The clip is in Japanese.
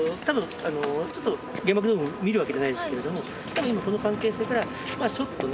ちょっと原爆ドーム見るわけじゃないですけれどもたぶん今この関係性から「ちょっとね」